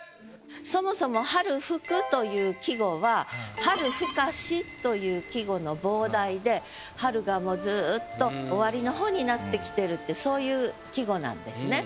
そもそも「春更く」という季語は「春深し」という季語の傍題で春がもうずっと終わりの方になってきてるっていうそういう季語なんですね。